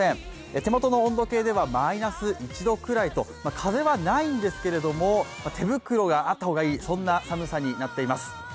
手元の温度計ではマイナス１度くらいと、風はないんですけど手袋があった方がいいそんな寒さになっています。